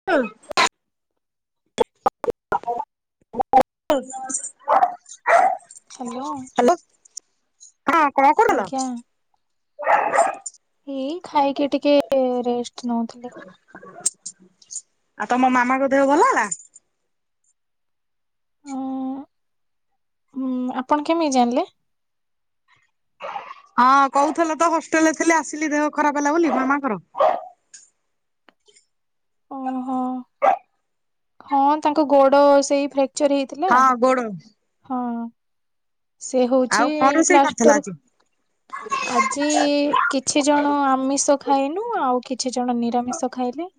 [unintelligible] [unintelligible] Hello. Hello ହଁ କଣ କରୁଥିଲ? ଆଜ୍ଞା ଏଇ ଖାଇକି ଟିକେ ରେଷ୍ଟ ନଉଥିଲି। ଆଉ ତମ ମାମାଙ୍କ ଦେହ ଭଲ ହେଲା? ଉଁ ଆପଣ କେମିତି ଜାଣିଲେ? ହଁ କହୁଥିଲ ତ ହଷ୍ଟେଲ ରେ ଥିଲ ଆସିଲି ଦେହ ଖରାପ ହେଲା ବୋଲି ମାମାଙ୍କର। ଓହୋ ହଁ ତାଙ୍କ ଗୋଡ ସେଇ ଫ୍ରେକ୍ଚର ହେଇଥିଲା ହଁ ଗୋଡ ହଁ ସେ ଆଉ ହଉଚି କଣ ରୋଷେଇ କରିଥିଲ ପ୍ଲାଷ୍ଟର ଆଜି? ଆଜି କିଛି ଜଣ ଆମିଷ ଖାଇନୁ ଆଉ କିଛି ଜଣ ନିରାମିଷ ଖାଇଲେ।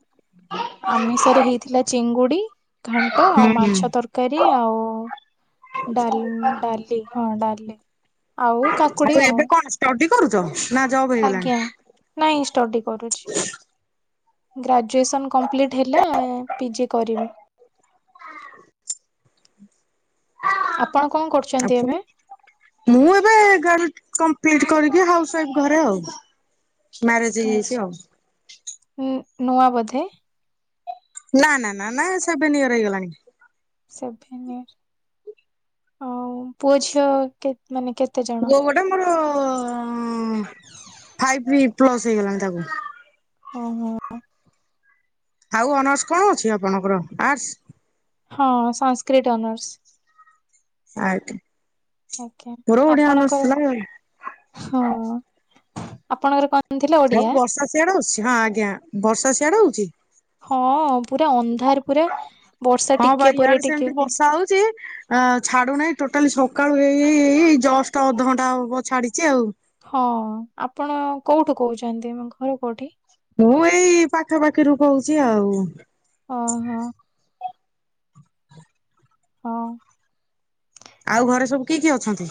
ଆମିଷରେ ହେଇଥିଲା ଚିଙ୍ଗୁଡି ଘାଣ୍ଟ ହୁଁ ଆଉ ହୁଁ ମାଛ ତରକାରୀ ଆଉ ଡାଲମ ଡାଲି ହଁ ଡାଲି ଆଉ କାକୁଡି ଆଉ। ଉଟି କରୁଚ? ଆଜ୍ଞା ନାଇଁ ଷ୍ଟଡି କରୁଚି। ଗ୍ରାଜୁଏସନ୍ କମ୍ପ୍ଲିଟ୍ ହେଲା ଆ ପିଜି କରିବି। [inaudible] ଆପଣ କଣ ଆଉ କରୁଚନ୍ତି ପୁଣି ଏବେ? ମୁଁ ଏବେ ଗାଲ କଂପ୍ଲିଟ୍ କରିକି ହାଉସ ୱାଇଫ ଘରେ ଆଉ। ମ୍ୟାରେଜ ହେଇଯାଇଚି ଆଉ। ଉଁ ନୂଆ ବୋଧେ? ନା ନା ନା ନା ସେବେନ ଇଅର ହେଇଗଲାଣି। ସେଭେନ ଇଅର ଆଉ ପୁଅ ଝିଅ କେ ମାନେ କେତେ ଜଣ? ପୁଅ ଗୋଟେ ମୋର ଉଁ ଫାଇପି ପ୍ଲସ୍ ହେଇଗଲାଣି ତାକୁ। ଓ ହଁ! ଆଉ ଅନର୍ସ କଣ ଅଛି ଆପଣଙ୍କର ଆର୍ଟସ୍? ହଁ ସାନସ୍କ୍ରିଟ ଅନର୍ସ। ଆଟି ଆଜ୍ଞା ମୋର ଓଡ଼ିଆ ଅନର୍ଶ ଆପଣଙ୍କର ଥିଲା ଆଉ। ହଁ ଆପଣଙ୍କର କ ଆଉ ବର୍ଷା ସିଆଡେ ହଉଚି ହଁ ଆଜ୍ଞା ବର୍ଷା ସିଆଡେ ହଉଚି? ହଁ ପୁରା ଅନ୍ଧାର ପୁରା ବର୍ଷା ହଁ ଟିକେ ବାଇ ପରେ ଇଆଡେ ଟିକେ ସେମିତି ଖାଲି। ବର୍ଷା ହଉଚି। ଆଁ ଛାଡୁନାଇଁ ଟୋଟାଲି ସକାଳୁ ଏଇ ଏଇ ଏଇ ଏଇ ଜଷ୍ଟ ଅଧ ଘଣ୍ଟା ହବ ଛାଡିଚି ଆଉ। ହଁ ଆପଣ କୋଉଠୁ କହୁଛନ୍ତି ମା ଘର କୋଉଠି? ମୁଁ ଏଇ ପାଖା ପାଖିରୁ କହୁଚି ଆଉ। ଅହଁ। ହଁ। ଆଉ ଘରେ ସବୁ କିଏ କିଏ ଅଛନ୍ତି?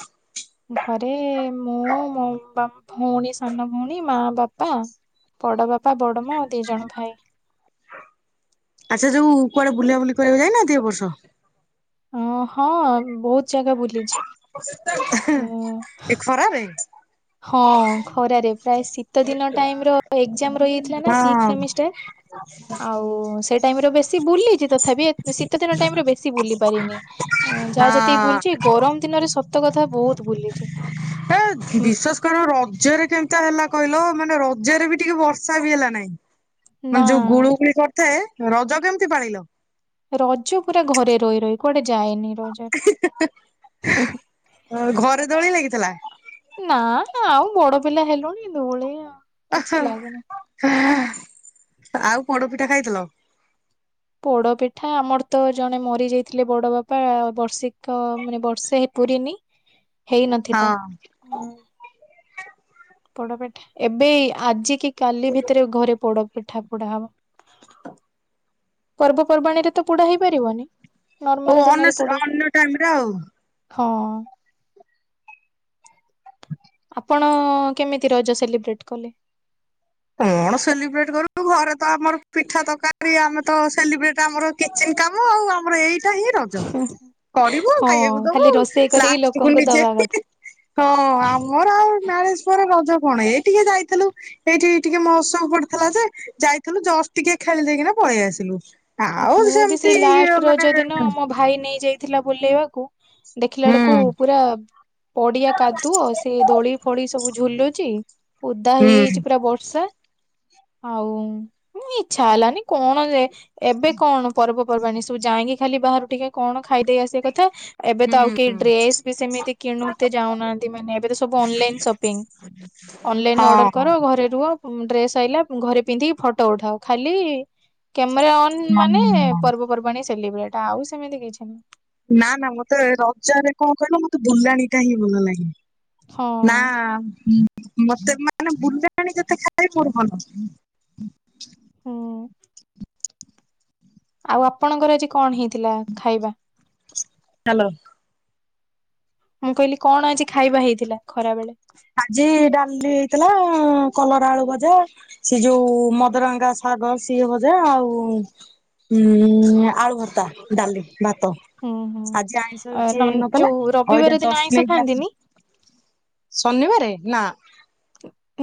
ଘରେ ମୁଁ ମୋ ବାମ ଭଉଣୀ ସାନ ଭଉଣୀ ମା ବାପା ବଡ଼ ବାପା ବଡ ମା ଆଉ ଦି ଜଣ ଭାଇ। ଆଚ୍ଛା ଯୋଉ କୁଆଡେ ବୁଲା ବୁଲି କରିବାକୁ ଯାଇନାନ୍ତି ଏ ବର୍ଷ? ଅ ହଁ ବହୁତ ଜାଗା ବୁଲିଚି। ହେଁ ଏ ଖରାରେ? ହଁ ଖରାରେ ପ୍ରାୟ ଶୀତ ଦିନ ଟାଇମ ର ଏକଜାମ ରହି ଯାଇଥିଲା ନା ସିକ୍ସ ହଁ ସେମିଷ୍ଟାର୍ [unintelligible] ଓ ସେ ଟାଇମରେ ବେଶୀ ବୁଲିଚି ତଥାପି ଏ ଶୀତ ଦିନ ଟାଇମରେ ବେଶୀ ବୁଲି ପାରିନି। ଏଁ ହଁ। ଯାହା ଯେତିକି ବୁଲିଚି ଗରମ ଦିନରେ ସତ କଥା ବହୁତ ବୁଲିଚି। ଏ ବିଶ୍ଵାସ କର ରଜରେ କେନ୍ତା ହେଲା କହିଲ ମାନେ ରଜରେ ବି ଟିକେ ବର୍ଷା ବି ହେଲା ନାଇଁ ନା ମାନେ ଯୋଉ ଗୁଳୁଗୁଳି କରିଥାଏ ରଜ କେମିତି ପାଳିଲ? ରଜ ପୁରା ଘରେ ରହି ରହି ଗଲାକୁଆଡେ ଯାଏନି ରଜ ଘରେ ଦୋଳିଲାଗିଥିଲା। ନା ଆଉ ବଡ ପିଲା ହେଲୁଣି ଦୋଳି ଆଉ କିଛି ଲାଗେନି। ଆଉ ପୋଡପିଠା ଖାଇଥିଲ, ପୋଡ ପିଠା ଆମର ତ ଜଣେ ମରି ଯାଇଥିଲେ ବଡ ବାପା ବର୍ଷିକ ମାନେ ବର୍ଷେ ପୂରିନି, ହ [unintelligible] ହେଇ ନଥିଲା। ପୋଡ଼ପିଠା ଏବେ ଆଜି କି କାଲି ଭିତରେ ଘରେ ପୋଡ଼ ପିଠା ପୋଡା ହବ ପର୍ବପର୍ବାଣୀରେ। ତ ପୋଡା ହେଇପାରିବନି ଓ ନର୍ମାଲ ଅନ୍ୟ ଦିନରେ ଅନ୍ୟ ଟାଇମରେ ଆଉ। ପୋଡ଼ିଵେ ହଁ। ଆପଣ କେମିତି ରଜ ସେଲିବ୍ରେଟ କଲେ। କଣ ସେଲିବ୍ରେଟ କରିବୁ ଘରେ ତ ଆମର ପିଠା ତରକାରୀ ଆମେ ତ ସେଲିବ୍ରେଟ ଆମର କିଚେନ କାମ ଆଉ ଆମର ଏଇ ଟା ହି ରଜ କରିବୁ ହଁ ଖାଇବାକୁ ଦବୁ ଖାଲି ରୋଷେଇ କରିକି ଲାଷ୍ଟ କୁ ଲୋକଙ୍କୁ ନିଜେ ଦବା କଥା। ହଁ ଆମର ଆଉ ମ୍ୟାରେଜ ପରେ ରଜ କଣ ଏଇ ଟିକେ ଯାଇଥିଲୁ ଏଇଠି ଟିକେ ମହୋତ୍ସବ ସବୁ ପଡିଥିଲା ଯେ ଯାଇଥିଲୁ ଜଷ୍ଟ ଟିକେ ଖେଳି ଦେଇକିନା ପଳେଇ ଆସିଲୁ। ହଁ, ଆଉ ମୁଁ ବି ସେଇ ସେମତି ଇଏ ଲାଷ୍ଟ ରଜ ଦିନ ମାନେ। ମୋ ଭାଇ ନେଇ ଯାଇଥିଲା ବୁଲେଇବାକୁ ଦେଖିଲା ବେଳକୁ ହୁଁ ପୁରା, ପଡିଆ କାଦୁଅ ସେ ଦୋଳି ଫୋଳି ସବୁ ଝୁଲୁଚ଼ି। ଓଦା ହେଇଯାଇଛି ପୁରା ବର୍ଷା, ଆଉ ଇଛା ହେଲାନି କଣ ଯେ, ଏବେ କଣ ପର୍ବପର୍ବାଣୀ ସବୁ ଯାଇକି ଖାଲି ବାହାରୁ ଟିକେ କଣ ଖାଇଦେଇ ଆସିବା କଥା, ଏବେ ତ ହୁଁ ଆଉ କେହି ଡ୍ରେସ ବି ସେମିତି କିଣୁତେ ଯାଉନାହାନ୍ତି ମାନେ ଏବେ ତ ସବୁ ଅନଲାଇନ ସପିଙ୍ଗ, ଅନଲାଇନ ହଁ ଅର୍ଡର କର ଘରେ ରୁହ। ଡ୍ରେସ ଆଇଲା ଘରେ ପିନ୍ଧିକି ଫଟୋ ଉଠାଅ ଖାଲି କ୍ୟାମେରା ଅନ ମାନେ ହଁ। ପର୍ବପର୍ବାଣୀ ସେଲିବ୍ରେଟ ଆଉ ସେମିତି କିଛି ନାଇଁ ନା ନା ମତେ ରଜରେ କଣ କହିଲ ମତେ ବୁଲାଣି ଟା ହିଁ ଭଲ ଲାଗେ। ନା ହଁ ମତେ ମାନେ ବୁଲାଣି- ଯେତେ ଖାଇ ମୋର ଭଲ। ହଁ। ଆଉ ଆପଣଙ୍କର ଆଜି କଣ ହେଇଥିଲା ଖାଇବା। ହ୍ୟାଲୋ। ମୁଁ କହିଲି କଣ ଆଜି ଖାଇବା ହେଇଥିଲା ଖରା ବେଳେ? ଆଜି ଡାଲି ହେଇଥିଲା କଲରା ଆଳୁ ଭଜା ସେ ଯୋଉ ମଦରଙ୍ଗା ଶାଗ ସିଏ ଭଜା ଆଉ ଉଁ ଆଳୁ ଭର୍ତ୍ତା, ଡାଲି, ଭାତ ହୁଁ ହୁଁ ଆଜି ଆଇଁଷ ଅ, କିଛି ନନ୍ ହେଇ ନଥିଲା ଯୋଉ ରବିବାର ଆଜି ଦିନ ଜଷ୍ଟ ଆଇଁଷ ନେଇକି ଆସିଲି। ଖାଆନ୍ତିନି ଶନିବାରେ ନା,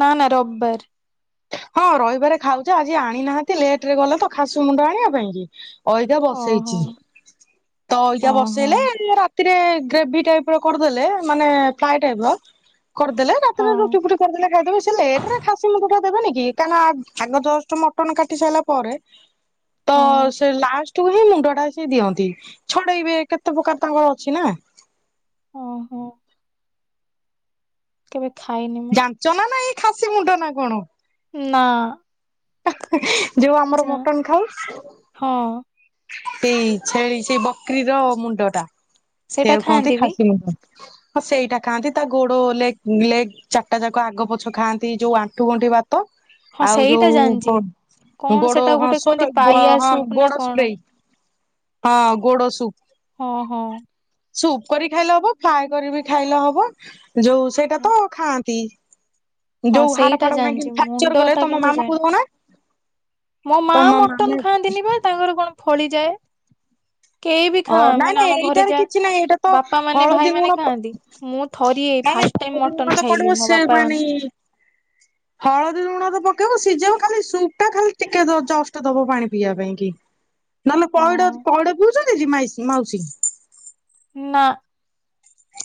ନା ନା ରବିବାର। ହଁ ରହିବାରେ ଖାଉ ଯେ ଆଜି ଆଣି ନାହାନ୍ତି ଲେଟ ରେ ଗଲେ ତ ଖାସି ମୁଣ୍ଡ ଆଣିବା ପାଇଁ କି, ଅଇଖା ଓହୋ ବସେଇଛି ତ ଅଇଖା ଓହୋ ବସେଇଲେ ରା ତିରେ ଗ୍ରେଭି ଟାଇପ ର କରିଦେଲେ ମାନେ ପ୍ରାଏ ଟାଇପ ର କରିଦେଲେ ରାତିରେ ହଁ ରୁଟି ଫୁଟି କରି ଦେଲେ ଖାଇଦେବେ ସେ ଲେଟରେ ଖାସି ମୁଣ୍ଡଟା ଦେବେନି। କି କାହିଁକନା ଆଗ ଜଷ୍ଟ ମଟନ କାଟି ସାରିଲା ପରେ। ତ ହଁ ସେ ଲାଷ୍ଟକୁୁ ହିଁ ମୁଣ୍ଡ ଟା ସେ ଦିଅନ୍ତି। ଛଡେଇବେ କେତେ ପ୍ରକାର ତାଙ୍କର ଅଛି ନା। ଓହୋ, କେବେ ଖାଇନି। ମୁଁ ପାଞ୍ଚ ନା ନା ଏଇ ଖାସି ମୁଣ୍ଡ ନା କଣ? ନାଁ। ଯୋଉ ଆମର ମଟନ୍ ଖାଉ ହଁ। ସେଇ ଛେଳି ସେଇ ବକ୍ରିର ମୁଣ୍ଡ ଟା ସେଇଆ ସେଇଟା କୁ କୁହନ୍ତି ଖାଆନ୍ତି ବି ଖାସି ମୁଣ୍ଡ। ହ ହଁ ସେଇଟା ଖାଆନ୍ତି ତା ଗୋଡ ଲେଗ୍ ଲେଗ୍ ଚାରଟା ଯାକ ଆଗ ପଛ ଖାଆନ୍ତି ଯୋଉ ଆଣ୍ଠୁ ଗଣ୍ଠି ବା ତ ହଁ ଆଉ ସେଇଟା ଯୋଉ ଜାଣିଛି ଗୋ କଣ ଗୋଡ ସେଟା ହଁ ଗୋଟେ ଶୋ କୁହନ୍ତି କର ପାଇଆ [unintelligible] ହଁ ସୁପ୍ ନା ଗୋଡ କଣ ହଁ ଘୋଡ ସୁପ୍। ହଁ ହଁ। ସୁପ୍ କରି ଖାଇଲେ ହବ ଫ୍ଲାଏ କରି ବି ଖାଇଲେ ହବ। ଯୋଉ ସେଇଟା ହଁ ତ ଖାଆନ୍ତି। ହଁ ଯୋଉ ହାଡ ସେଇଟା ଫାଡ ଭାଙ୍ଗି ଜାଣିଚି ଫ୍ରାକ୍ଚର ମୁଣ୍ଡ କଲେ ଟା ତମ କିନ୍ତୁ ମାମାକୁ ଜାଣି ଦଉନା ମୋ ମା ତମ ମଟନ୍ ମାମା ଖାଆନ୍ତିନି ବା ତାଙ୍କର କଣ ଫଳିଯାଏ। କେହି ବି ଅ ଖାଆ ନାଇଁ ମାନେ ନାଇଁ ଆମ ଘରେ ଏଇଟାରେ ଯା କିଛି ନାଇଁ ଏଇଟା ତ ବାପା ମାନେ ହଳଦୀ ଗୁଣ ଭାଇମାନେ ଖାଆନ୍ତି ମୁଁ ଥରିଏ ନାଇଁ ନାଇଁ ଫାଷ୍ଟ ଟାଇମ୍ ହଳଦୀ ଗୁଣ ମଟନ୍ ତ ପଡିବ ଖାଇଲି ମୋ ସେ ବାପା ମାନେ ମାନ୍ ହଳଦୀ ଲୁଣ ତ ପକେଇବ ସିଝେଇବ ଖାଲି ସୁପ୍ ଟା ଖାଲି ଟିକେ ଦ ଚଷ୍ଟ ଦବ ପାଣି ପିଇବା ପାଇଁ କି। ନହେଲେ ପଇଡ ହଁ ପଇଡ ପିଉଚନ୍ତି ମାଇସି ମାଉସୀ? ନା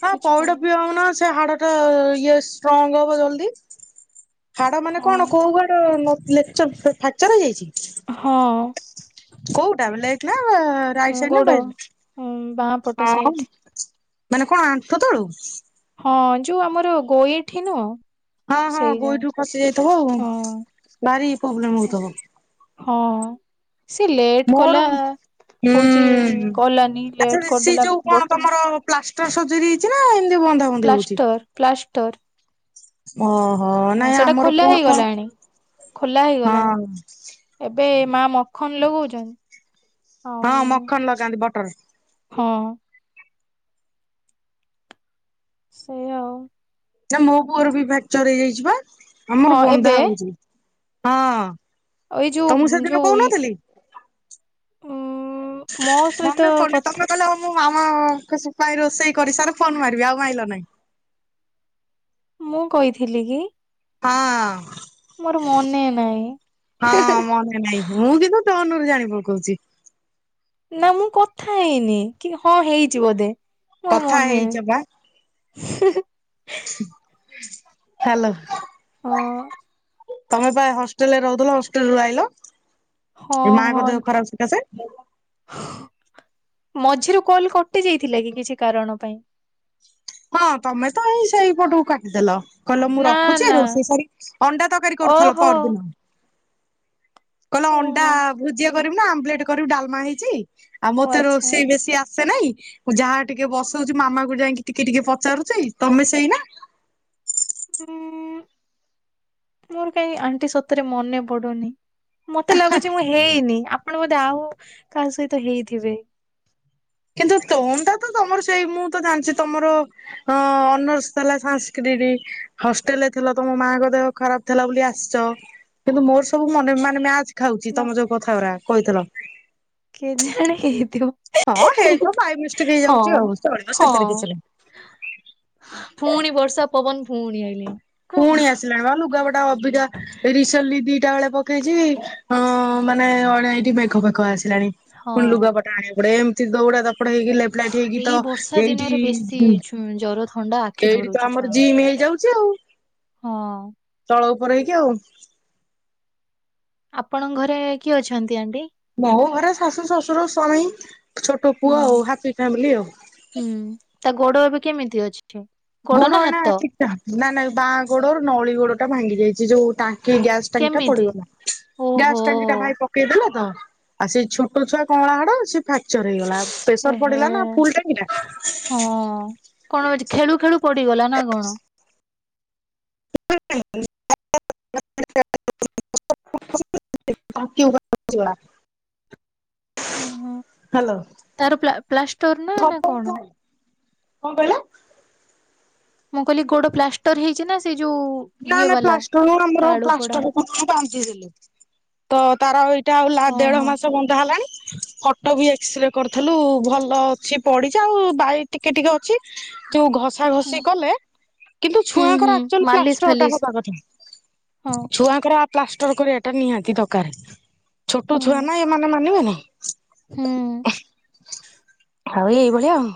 ହାଁ କିଛି ପଇଡ ଖାଇନି। ପିଆଉନ ସେ ହାଡ ଟା ଇଏ ଷ୍ଟ୍ରଙ୍ଗ ହବ ଜଲଦି। ହାଡ ମାନେ ହଁ କଣ କୋଉ ହାଡ ଲ ଲେକ୍ଚର ଫ୍ରାକ୍ଚର ହେଇଯାଇଚି କି? ହଁ। କୋଉଟା ଲେଫ୍ଟ ନା ରାଇଟ୍ ସାଇଡ୍ ନା ଗୋଡ ବା ହଁ ବାଁ ପଟ ହଁ ସାଇଡ ମାନେ କଣ ଆଣ୍ଠୁ ତଳ କୁ? ହଁ ଯୋଉ ଆମର ଗୋଇଠି ନୁହଁ? ହଁ ହଁ ସେଇ ଯା ଗୋଇଠି ରୁ ଖସି ଯାଇଥିବ ଆଉ ହଁ ଭାରି ପ୍ରୋବ୍ଲେମ୍ ସେ ହଉଥିବ। ହଁ ସିଏ ଲେଟ୍ ମୋର କଲା ହୁଁ। ହଉଚି ଗଲାନି ଆଚ୍ଛା ଲେଟ୍ ସେ କରିଦେଲା ଯୋଉ କଣ ଗୋଟେ ତମର ମାସ। ପ୍ଲାଷ୍ଟର ସର୍ଜରୀ ହେଇଚି ନା ଏମିତି ବନ୍ଧା ବନ୍ଧି ପ୍ଲାଷ୍ଟର ପ୍ଲାଷ୍ଟର। ଅଁ ହଁ। ହଁ ସେଟା ଖୋଲା ହେଇଗଲାଣି ଖୋଲା ହେଇଗଲାଣି। ଏବେ ମା ମଖନ ଲଗଉଚନ୍ତି ଆଉ ହଁ ମଖନ ଲଗାନ୍ତି ବଟର। ହଁ। ସେଇଆ ଆଉ। ନା ମୋ ପୁଅର ବି ଫ୍ରାକ୍ଚର ହେଇଯାଇଚି ବା ହଁ ଆମର ବନ୍ଧା ଏବେ ହଉଚି ହଁ। ଏଇ ତମକୁ ଯୋଉ ସେଦିନ ଯୋଉ କହୁନଥିଲି? ଉ ମୋ ସହିତ ମାନେ ପଡୁନି କଥା ତମେ କହିଲ ମୁଁ ମାମା ଙ୍କ ସ୍ ପାଇଁ ରୋଷେଇ କରିସାର ଫୋନ୍ ମାରିବି ଆଉ ମାଇଲ ନାହିଁ। ମୁଁ କହିଥିଲି କି? ହଁ। ମୋର ମନେ ନାହିଁ। ନାଇଁ ମୁଁ କିନ୍ତୁ ଟୋନ୍ ରୁ ଜାଣି ପକୋଉଚି। ନା ମୁଁ କଥା ହେଇନି କି ହଁ ହେଇଚି ବୋଧେ ମୋର କଥା ମନେ ହେଇଛ ନାହିଁ। ବା [unintelligible] ହ୍ୟାଲୋ ହଁ ତମେ ପାଇଁ ହ ହଷ୍ଟେଲ ରହୁଥିଲ ହଷ୍ଟେଲ ରୁ ଆଇଲ। ହଁ ଏ ମାଙ୍କ ହଁ ଦେହ ଖରାପ ସକାଶେ ଏ ମଝିରୁ [unintelligible] କଟି ଯାଇଥିଲା କି କିଛି କାରଣ ପାଇଁ? ହଁ ତମେ ତ ଏଇ ସେଇ ପଟକୁ କାଟିଦେଲ। କହିଲ ମୁଁ ନା ରଖୁଛି ନା ରୋଷେଇ ସାରି ଅଣ୍ଡା ତରକାରୀ କରୁଥିଲ ଓହୋ ପହରଦିନ। କହିଲା ଅଣ୍ଡା ଓହୋ ଭୁଜିଆ କରିବୁ ନା, ଆମ୍ବଲେଟ କରିବୁ, ଡାଲମା ହେଇଚି। ଆଉ ଓ ମୋତେ ଆଚ୍ଛା। ରୋଷେଇ ବେଶୀ ଆସେ ନାହିଁ, ମୁଁ ଯାହା ଟିକେ ବସଉଚି ମାମା କୁ ଯାଇକି ଟିକେ ଟିକେ ପଚାରୁଚି ତମେ ସେଇନା? ଉଁ ମୋର କାଇଁ ଆଣ୍ଟି ସତରେ ମନେ ପଡୁନି। ମତେ ଲାଗୁଚି ମୁଁ ହେଇନି ଆପଣ ବୋଧେ ଆଉ କାହା ସହିତ ହେଇଥିବେ? କିନ୍ତୁ ତୋନ ଟା ତ ତମର ସେଇ ମୁଁ ତ ଜାଣିଛି ତମର ହଁ ଅନର୍ସ ଥିଲା ସାଂସ୍କିରିଢି ହଷ୍ଟେଲ ଥିଲା ତମ ମାଙ୍କ ଦେହ ଖରାପ ଥିଲା ବୋଲି ଆସଚ କିନ୍ତୁ ମୋର ସବୁ ମନେ ମାନେ ମ୍ୟାଚ୍ ଖାଉଚି ନା ତମ ଯୋଉ କଥା ଗୁରା କହିଥିଲ। କେଯିଣି ହେଇଥିବ। ହଁ ହେଇଥ ବାଇ ମିଷ୍ଟେକ ହଁ। ହେଇଯାଉଚି ଆଉ ଚଳିବ ସେଥିରେ ହଁ କିଛି ନାଇଁ। ଫୁଣି ବର୍ଷା ପବନ ଫୁଣି ଆଇଆନି। ଫୁଣି ଆସିଲା ବା ଲୁଗା ବଟା ଅବିିକା ରିସେଣ୍ଟିଲ ଦିଟା ବେଳେ ପକେଇଚି, ଅଁ ମାନେ ଅଢେ ଇଠି ମେଘ ଫେଘ ଆସିଲାଣି। ଫୁଣି ହଁ। ଲୁଗାପଟା ଆଣିବା ପଡେ ଏମିତି ଦୌଡା ଦପଡା ହେଇକି ଲେପ ଲାଇଟ ହେଇକି ଏଇ ତ ବର୍ଷା ଏଇଠି ଦିନରେ ବେଶୀ ଉ ଛୁ ଜର ଥଣ୍ଡା ଆଖି ଧରୁଚି ଛୁଆଙ୍କର ହେଇଯାଉଛି ଆଉ ହଁ। ତଳ ଉପର ହେଇକି ଆଉ। ଆପଣଙ୍କ ଘରେ କିଏ ଅଛନ୍ତି ଆଣ୍ଟି? ମୋ ଘରେ ଶାଶୁ, ଶ୍ୱଶୁର, ସ୍ୱାମୀ, ଛୋଟ ହୁଁ ପୁଅ ଆଉ ହାପି ଫ୍ୟାମିଲି ଆଉ। ହୁଁ ତା ଗୋଡ ଏବେ କେମିତି ଅଛି? ଗୋଡ ନା ଏଇନା ହାତ? ଠିକ୍ ଠା ନା ନା ବାଁ ଗୋଡର ନଳି ଗୋଡଟା ଭାଙ୍ଗି ଯାଇଚି ଯୋଉ ତା କି ଓ ଗ୍ୟାସ୍ ଟାଙ୍କି ଟା କେମିତି ପଡିଗଲା, ଓହୋ ଗ୍ୟାସ୍ ଟାଙ୍କି ଟା ଭାଇ ପ ପକେଇଦେଲା ତ ଆଉ ସେଇ ଛୋଟ ଛୁଆ କଁଳା ହାଡ ସେ ଫ୍ରାକ୍ଚର ହେଇଗଲା ପ୍ରେସର ଏହେ ପଡିଲା ନା ଫୁଲ ଟାଙ୍କିଟା। ହଁ କଣ ଅଛି ଖେଳୁ ଖେଳୁ ପଡିଗଲା ନା କଣ? [inaudible] ହୁଁ ହୁଁ। ହ୍ୟାଲୋ ତାର ପ୍ଲା ପ୍ଲାଷ୍ଟର ନା ନା କଣ? [unintelligible] କଣ କହିଲା? ମୁଁ କହିଲି ଗୋଡ ପ୍ଲାଷ୍ଟର ହେଇଚି ନା ସେ ଯୋଉ ନା ଇଏ ନା ବାଲା ପ୍ଲାଷ୍ଟର ନୁହଁ ଆମର କାଳୁ ପଡା ପ୍ଲାଷ୍ଟ କ ମୁଁ ବଧ୍ୟିଥିଲି ତ ତାର ଏଇଟା ହେଲା ଦେଢ ଓହୋ। ମାସ ବନ୍ଦା ହେଲାଣି କଟକ ବି ଏକ୍ସରେ କରିଥିଲୁ ଭଲ ଅଛି ପଡିଚି ଆଉ ବାଇ ଟିକେ ଟିକେ ଅଛି ଯୋଉ ଘସା ଘଷି କଲେ କିନ୍ତୁ ହୁଁ ହୁଁ ଛୁଆଙ୍କର ଆକ୍ଚୁଆଲି ପ୍ଲା [unintelligible] ମାଲିସ୍ ଫାଲିସ୍ ହବା କଥା ହଁ ଛୁଆଙ୍କର ପ୍ଲାଷ୍ଟର କରିବାଟା ନିହାତି ଦରକାରେ। ଛୋଟ ହୁଁ ଛୁଆ ନା ଏମାନେ ମାନିବେନି। ହୁଁ ଆଉ ଏଇଭଳିଆ ଆଉ।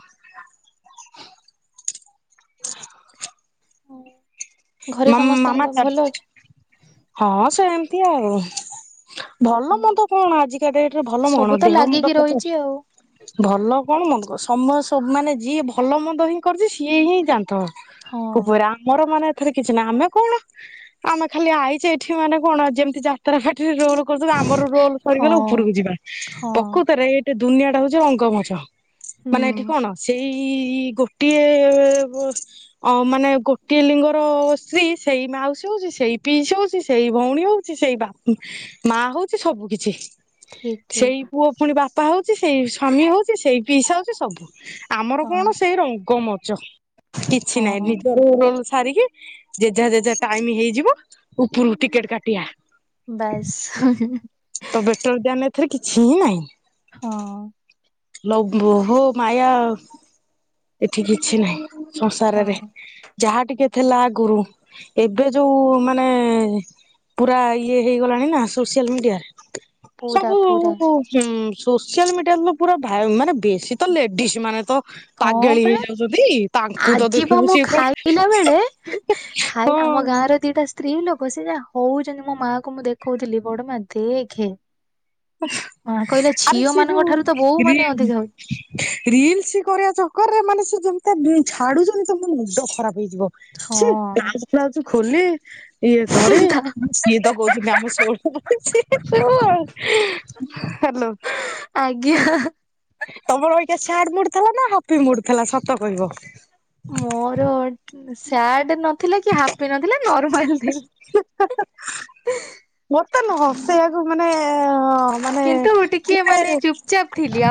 ହ ହୁଁ। [inaudible] ଘରେ ସମସ୍ତଙ୍କ ଭଲ ଅଛି? ହଁ ସେମତି ଆଉ। ଭଲ ମନ୍ଦ ହୁଁ। କଣ ଆଜିକା ଡେଟରେ ଭଲ କଣ ସବୁ ତ ଦେହ ମଣ୍ଡ ଲାଗିକି ରହିଛି ଆଉ [unintelligible] ଭଲ କଣ ମନ୍ଦ ସମୟ ସବୁ ମାନେ ଯିଏ ଭଲ ମନ୍ଦ ହିଁ କରୁଛି ସିଏ ହିଁ ଜାଣିଥିବ। ହଁ କୁପରେ ଆମର ମାନେ ରେ କିଛି ନାହିଁ ଆମେ କଣ ଆମେ ଖାଲି ଆଇଛେ ଏଠି ମାନେ କଣ ଯେମିତି ଯାତ୍ରା ପାଟିରେ ରୋଲ ଆମର ରୋଲ ହଁ ସରିଗଲେ ଉପରକୁ ଯିବା ହଁ। ପକୁତରେ ଏଇଟା ଦୁନିଆଟା ହଉଚି ରଙ୍ଗମଞ୍ଚ। ହୁଁ ମାନେ ଏଠି କଣ ସେଇ ଇ ଗୋଟିଏ ମାନେ ଗୋଟିଏ ଲିଙ୍ଗ ର ସ୍ତ୍ରୀ ସେଇ ମାଉସୀ ହଉଛି ସେଇ ପିଇସ ହଉଛି ସେଇ ଭଉଣୀ ହଉଛି ସେଇ ବାପ ମା ହଉଛି ସବୁ କିଛି। ଠିକ ସେଇ ଠିକ ପୁଅ ପୁଣି ବାପା ହଉଛି ସେଇ ସ୍ଵାମୀ ହଉଛି ସେଇ ପିଇସା ହଉଛି ସବୁ। ଆମର ହଁ କଣ ସେଇ ରଙ୍ଗମଚ କିଛି ନାହିଁ ହଁ ନିଜର ରୋଲ୍ ସାରିକି ଯେଝା ଯେଝା ଟାଇମ ହେଇଯିବ ଉପରକୁ ଟିକେଟ କାଟିବା। ବାସ୍ ତ ବେଟ୍ରୋଲ ବ୍ୟାନ ଏଥିରେ କିଛି ନାହିଁ। ହଁ ଲବୋହୋ ମାୟା ଏଠି କିଛି ନାହିଁ। ସଂସାରରେ ହଁ ଯାହା ଟିକେ ଥିଲା ଆଗୁରୁ ଏବେ ଯୋଉ ମାନେ ପୁରା ଇଏ ହେଇଗଲାଣି ନା ସୋସିଆଲ ମିଡ଼ିଆ ପୁରା ସବୁ ପୁରା ଉ ହୁଁ ସୋସିଆଲ ମିଡିଆରେ ତ ପୁରା ମାନେ ବେଶୀ ତ ଲେଡିଜ ମାନେ ତ ପାଗେଳି ହେଇଯାଉ ଯଦି ଆଜିିବା ମୁଁ ଖାଇଲାବେଳେ ହଁ ଆମ ଗାଁରେ ଦିଟା ସ୍ତ୍ରୀ ଲୋକ ସେ ଯାହା ହଉଛନ୍ତି ମୋ ମା କ ମୁଁ ଦେଖଉଥିଲି ବଡ଼ ମା ଦେଖେ ହ କହିଲା ଝିଅ ମାନଙ୍କ ଠାରୁ ତ ବୋଉ ମାନେ ଅଧିକା ହଉ ରିଲ୍ସ କରିବା ଚକରରେ ମାନେ ସେ ଯେମିତିଆ ଛାଡୁଛନ୍ତି ତମ ମଣ୍ଡ ଖରାପ ହେଇଯିବ। ଛି ହଉ ହଁ। ବ୍ଲାଉଜ ଫ୍ଲାଉଜ ଖୋଲି ଇଏ କରି ସିଏ ତ କହୁଥିଲେଆମେ [unintelligible] ହ୍ୟାଲୋ ଆଜ୍ଞା ତମର ହୋଇକା ସ୍ୟାଡେ ମୁଡ୍ ଥିଲା ନା ହାପି ମୁଡ୍ ଥିଲା ସତ କହିବ। ମୋର ସ୍ୟାଡେ ନ ଥିଲେ କି ହାପି ନଥିଲା ନର୍ମାଲ ଥିଲା। ମତେ ନୁହଁ ସେଇଆ କୁ ମାନେ ମାନେ କିନ୍ତୁ ଟିକେ ମାନେ ଚୁପଚାପ୍ ଥିଲି ଆଉ